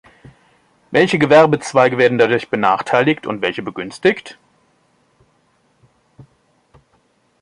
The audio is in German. Welche Gewerbezweige werden dadurch benachteiligt und welche begünstigt?